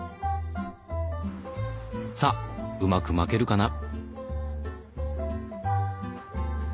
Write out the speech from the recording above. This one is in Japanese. さあうまく巻けるかな？